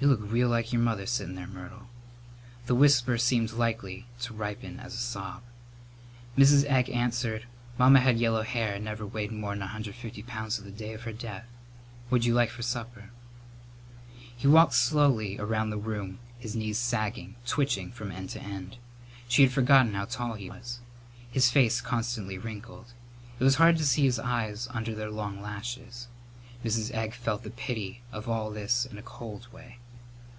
You look real like your mother settin' there, Myrtle." The whisper seemed likely to ripen as a sob. Mrs. Egg answered, "Mamma had yellow hair and never weighed more'n a hundred and fifty pounds to the day of her death. What'd you like for supper?" He walked slowly along the room, his knees sagging, twitching from end to end. She had forgotten how tall he was. His face constantly wrinkled. It was hard to see his eyes under their long lashes. Mrs. Egg felt the pity of all this in a cold way.